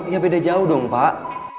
ya beda jauh dong pak